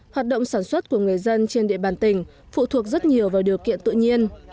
hoạt động sản xuất của người dân trên địa bàn tỉnh phụ thuộc rất nhiều vào điều kiện tự nhiên